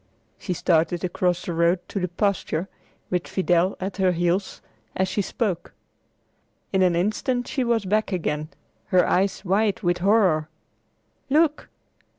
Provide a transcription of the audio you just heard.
She started across the road to the pasture, with Fidel at her heels, as she spoke. In an instant she was back again, her eyes wide with horror. "Look!